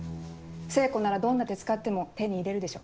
聖子ならどんな手使っても手に入れるでしょ。